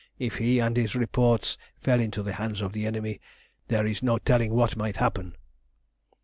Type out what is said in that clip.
If he and his reports fell into the hands of the enemy, there is no telling what might happen."